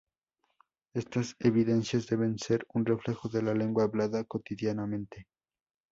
Estas evidencias deben ser un reflejo de la lengua hablada cotidianamente.